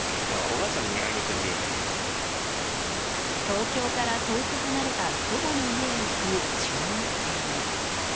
東京から遠く離れた祖母の家へ行く中学生に。